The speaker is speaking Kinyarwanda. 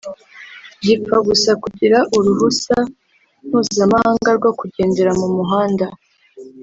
gipfa gusa kugira uruhusa mpuza-mahanga rwo kugendera mu muhanda